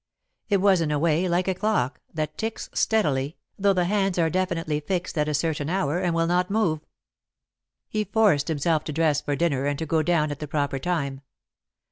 It was, in a way, like a clock, that ticks steadily, though the hands are definitely fixed at a certain hour and will not move. He forced himself to dress for dinner and to go down at the proper time.